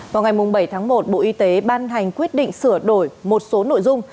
vào ngày bảy tháng một bộ y tế ban hành quyết định sửa đổi một số nội dung